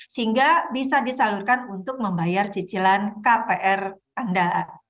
sehingga bisa disalurkan untuk membayar cicilan kpr anda